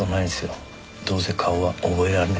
どうせ顔は覚えられねえから。